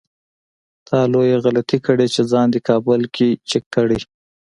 تا لويه غلطي کړې چې ځان دې کابل کې چک کړی.